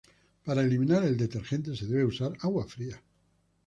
Para eliminar el detergente se debe usar agua fría.